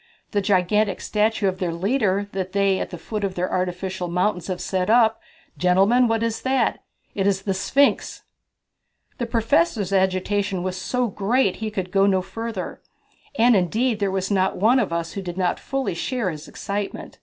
The gigantic statue of their leader that they at the foot of their artificial mountains have set up gentlemen, what is that? It is the Sphinx!" The Professor's agitation was so great that he could go no further. And indeed there was not one of us who did not fully share his excitement.